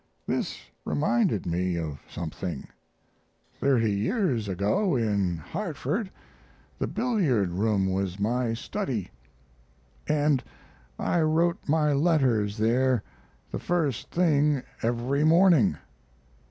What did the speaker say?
This reminded me of something: thirty years ago, in Hartford, the billiard room was my study, & I wrote my letters there the first thing every morning.